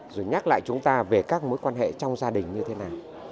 rồi nhắc lại chúng ta về các mối quan hệ trong gia đình như thế nào